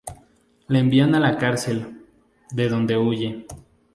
La envían a la cárcel, de donde huye.